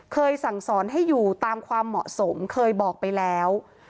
สั่งสอนให้อยู่ตามความเหมาะสมเคยบอกไปแล้ว